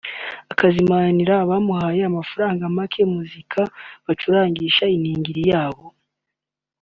bakazimanira ababahaye amafaranga make muzika bacurangisha iningiri yabo